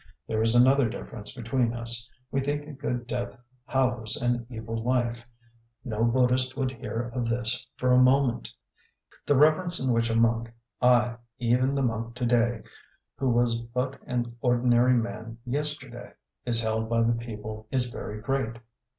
There is another difference between us. We think a good death hallows an evil life; no Buddhist would hear of this for a moment. The reverence in which a monk ay, even the monk to day who was but an ordinary man yesterday is held by the people is very great.